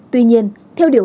tuy nhiên theo điều hai mươi